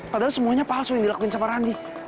padahal semuanya palsu yang dilakuin sama randi